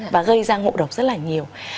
và gây ra ngộ độc rất là nhiều